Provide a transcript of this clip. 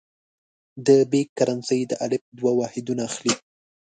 د ب کرنسي د الف دوه واحدونه اخلي.